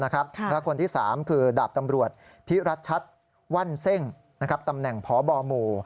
และคนที่๓คือดาบตำรวจพิรัชัดวั่นเซ่งตำแหน่งพบหมู่